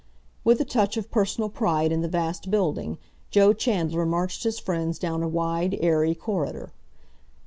With a touch of personal pride in the vast building, Joe Chandler marched his friends down a wide, airy corridor.